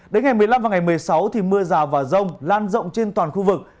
đến ngày một mươi năm và ngày một mươi sáu thì mưa rào và rông lan rộng trên toàn khu vực